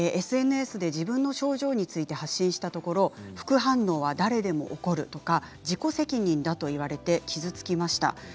ＳＮＳで自分の症状について発信したところ、副反応は誰でも起こる、自己責任だと言われて傷つきました。